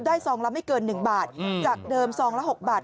ซองละไม่เกิน๑บาทจากเดิมซองละ๖บาท